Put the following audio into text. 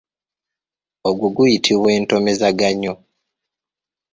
Ogwo guyitibwa entomezaganyo.